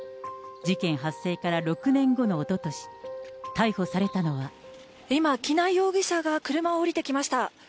事件発生から６年後のおととし、今、喜納容疑者が車を降りてきました。